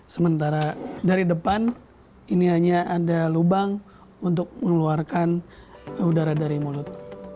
sementara dari depan ini hanya ada lubang untuk mengeluarkan udara dari mulut